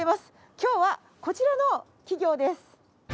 今日はこちらの企業です。